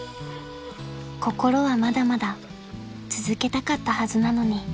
［心はまだまだ続けたかったはずなのに］